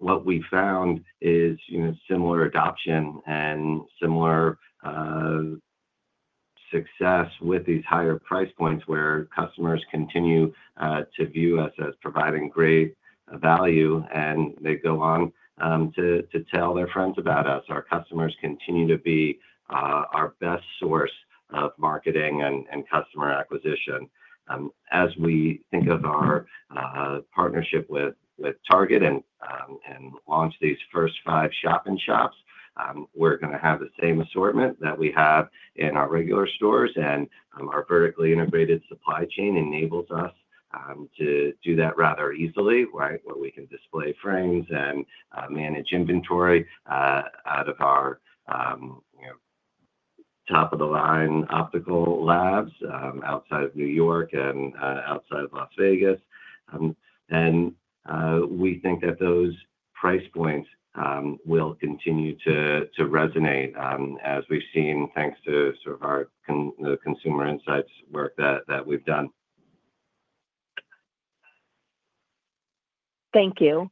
what we found is similar adoption and similar success with these higher price points where customers continue to view us as providing great value, and they go on to tell their friends about us. Our customers continue to be our best source of marketing and customer acquisition. As we think of our partnership with Target and launch these first five shop-in-shops, we're going to have the same assortment that we have in our regular stores. And our vertically integrated supply chain enables us to do that rather easily, right, where we can display frames and manage inventory out of our top-of-the-line optical labs outside of New York and outside of Las Vegas. And we think that those price points will continue to resonate as we've seen thanks to sort of our consumer insights work that we've done. Thank you.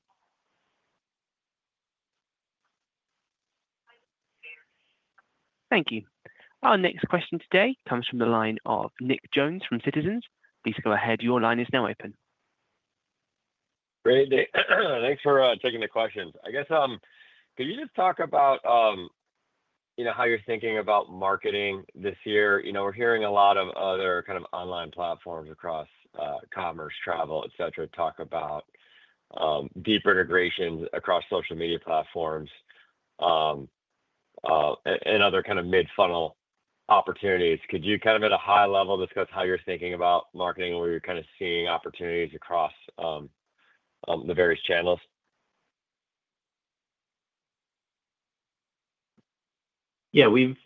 Thank you. Our next question today comes from the line of Nick Jones from Citizens. Please go ahead. Your line is now open. Great. Thanks for taking the questions. I guess, can you just talk about how you're thinking about marketing this year? We're hearing a lot of other kind of online platforms across commerce, travel, etc., talk about deeper integrations across social media platforms and other kind of mid-funnel opportunities. Could you kind of, at a high level, discuss how you're thinking about marketing or where you're kind of seeing opportunities across the various channels? Yeah. We've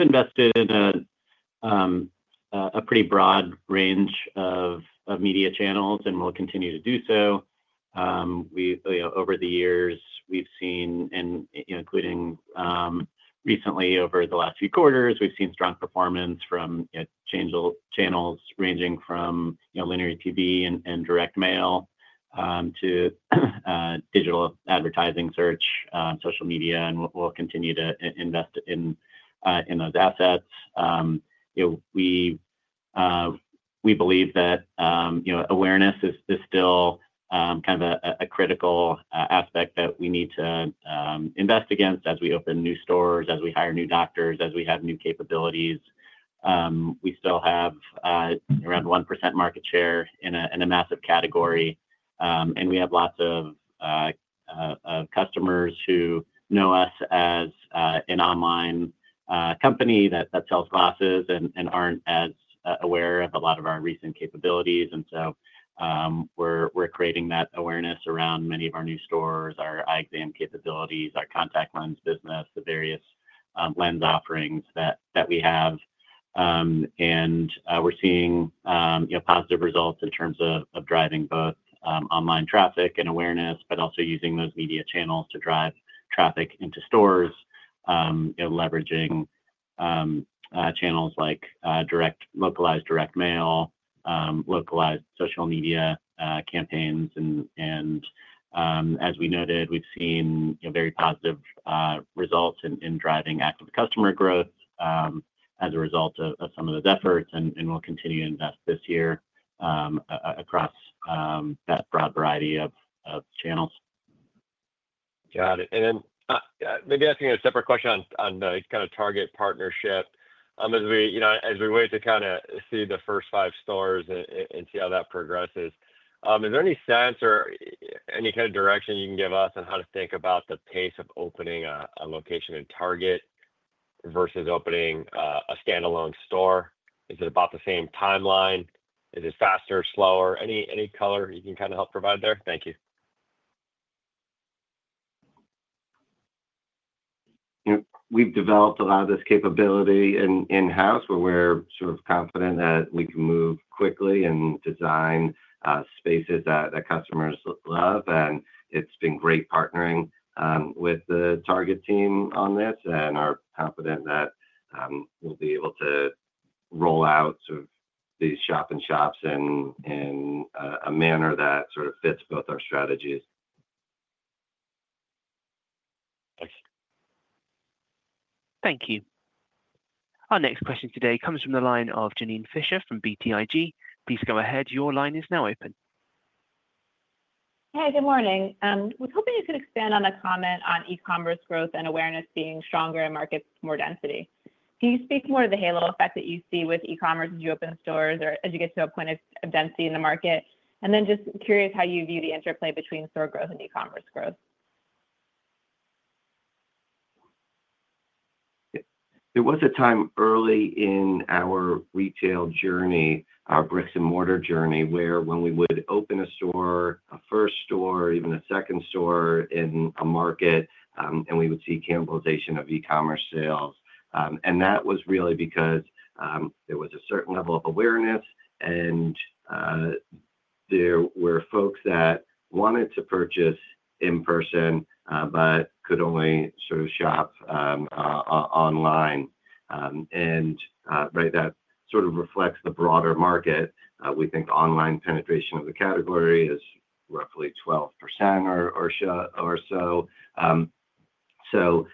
invested in a pretty broad range of media channels, and we'll continue to do so. Over the years, we've seen, including recently over the last few quarters, we've seen strong performance from channels ranging from linear TV and direct mail to digital advertising, search, social media, and we'll continue to invest in those assets. We believe that awareness is still kind of a critical aspect that we need to invest against as we open new stores, as we hire new doctors, as we have new capabilities. We still have around 1% market share in a massive category, and we have lots of customers who know us as an online company that sells glasses and aren't as aware of a lot of our recent capabilities, and so we're creating that awareness around many of our new stores, our eye exam capabilities, our contact lens business, the various lens offerings that we have, and we're seeing positive results in terms of driving both online traffic and awareness, but also using those media channels to drive traffic into stores, leveraging channels like localized direct mail, localized social media campaigns. And as we noted, we've seen very positive results in driving active customer growth as a result of some of those efforts, and we'll continue to invest this year across that broad variety of channels. Got it. And then maybe asking a separate question on the kind of Target partnership as we wait to kind of see the first five stores and see how that progresses. Is there any sense or any kind of direction you can give us on how to think about the pace of opening a location in Target versus opening a standalone store? Is it about the same timeline? Is it faster, slower? Any color you can kind of help provide there? Thank you. We've developed a lot of this capability in-house where we're sort of confident that we can move quickly and design spaces that customers love. It's been great partnering with the Target team on this, and we're confident that we'll be able to roll out sort of these shop-in-shops in a manner that sort of fits both our strategies. Thanks. Thank you. Our next question today comes from the line of Janine Stichter from BTIG. Please go ahead. Your line is now open. Hi. Good morning. We're hoping you can expand on a comment on e-commerce growth and awareness being stronger in markets with more density. Can you speak more to the halo effect that you see with e-commerce as you open stores or as you get to a point of density in the market? And then just curious how you view the interplay between store growth and e-commerce growth. There was a time early in our retail journey, our bricks-and-mortar journey, where when we would open a store, a first store, or even a second store in a market, and we would see cannibalization of e-commerce sales. And that was really because there was a certain level of awareness, and there were folks that wanted to purchase in person but could only sort of shop online. And that sort of reflects the broader market. We think online penetration of the category is roughly 12% or so. So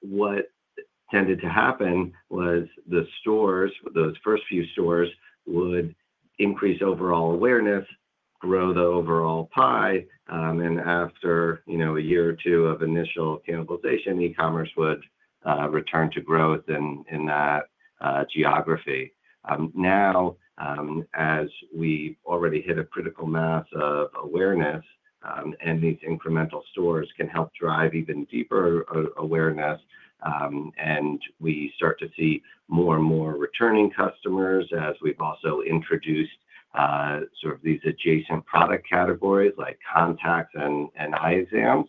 what tended to happen was the stores, those first few stores, would increase overall awareness, grow the overall pie, and after a year or two of initial cannibalization, e-commerce would return to growth in that geography. Now, as we've already hit a critical mass of awareness, and these incremental stores can help drive even deeper awareness, and we start to see more and more returning customers as we've also introduced sort of these adjacent product categories like contacts and eye exams,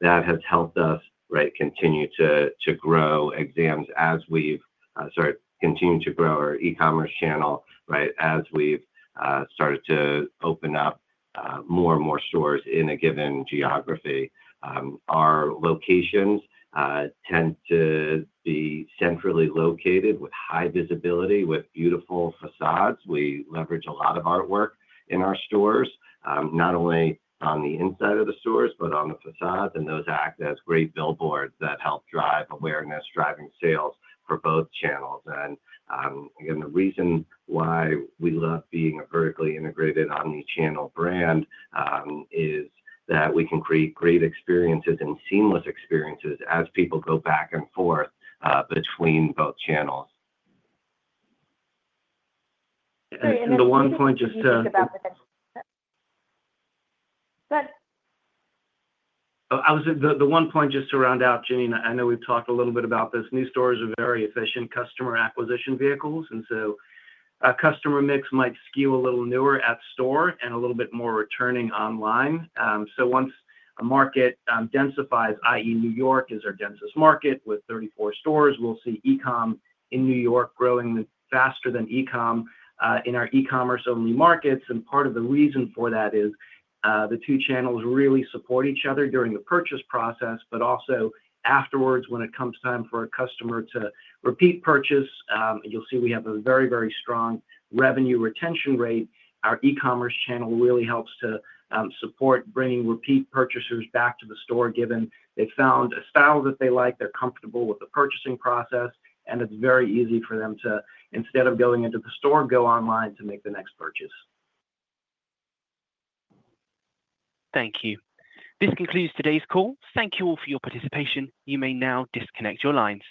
that has helped us continue to grow exams as we've started continuing to grow our e-commerce channel, right, as we've started to open up more and more stores in a given geography. Our locations tend to be centrally located with high visibility, with beautiful facades. We leverage a lot of artwork in our stores, not only on the inside of the stores but on the facades, and those act as great billboards that help drive awareness, driving sales for both channels. And again, the reason why we love being a vertically integrated omnichannel brand is that we can create great experiences and seamless experiences as people go back and forth between both channels. And one point just to round out, Janine, I know we've talked a little bit about this. New stores are very efficient customer acquisition vehicles, and so a customer mix might skew a little newer at store and a little bit more returning online. So once a market densifies, i.e., New York is our densest market with 34 stores, we'll see e-com in New York growing faster than e-com in our e-commerce-only markets. And part of the reason for that is the two channels really support each other during the purchase process, but also afterwards when it comes time for a customer to repeat purchase. You'll see we have a very, very strong revenue retention rate. Our e-commerce channel really helps to support bringing repeat purchasers back to the store given they've found a style that they like, they're comfortable with the purchasing process, and it's very easy for them to, instead of going into the store, go online to make the next purchase. Thank you. This concludes today's call. Thank you all for your participation. You may now disconnect your lines.